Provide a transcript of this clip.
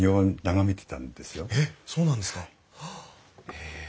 へえ。